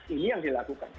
ini yang dilakukan